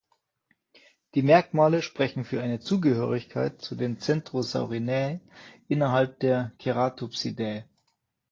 Die Merkmale sprechen für eine Zugehörigkeit zu den Centrosaurinae innerhalb der Ceratopsidae.